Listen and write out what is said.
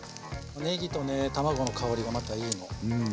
ねぎとね卵の香りがまたいいの。